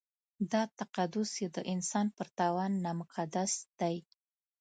دا تقدس یې د انسان پر تاوان نامقدس دی.